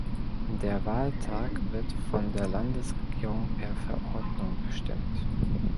Der Wahltag wird von der Landesregierung per Verordnung bestimmt.